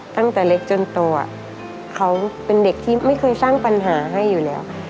ตั้งแต่เล็กจนโตเขาเป็นเด็กที่ไม่เคยสร้างปัญหาให้อยู่แล้ว